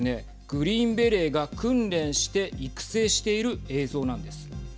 グリーンベレーが訓練して育成している映像なんです。